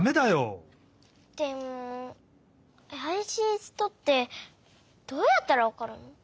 でもあやしい人ってどうやったらわかるの？